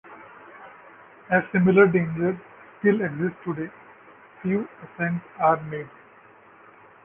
As similar dangers still exist today, few ascents are made.